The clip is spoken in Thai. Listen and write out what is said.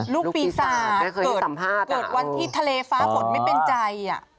ลูกปีศาจเกิดวันที่ทะเลฟ้าฝนไม่เป็นใจ